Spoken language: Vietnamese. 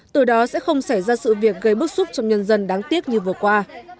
từ đó sẽ không xảy ra sự việc gây bức xúc trong nhân dân đáng tiếc như vừa qua